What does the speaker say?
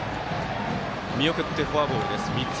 見送ってフォアボールです。